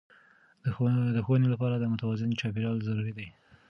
د ښوونې لپاره د متوازن چاپیریال ضروري دی.